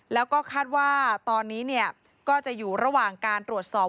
แล้วก็คาดว่าตอนนี้ก็จะอยู่ระหว่างการตรวจสอบ